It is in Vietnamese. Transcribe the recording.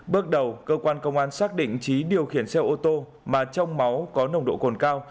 bước đầu cơ quan công an xác định trí điều khiển xe ô tô mà trong máu có nồng độ cồn cao